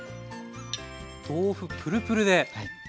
豆腐プルプルで。